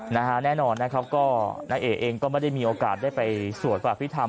แน่นอนนะครับก็ณเอกเองก็ไม่ได้มีโอกาสได้ไปสวดพระอภิษฐรร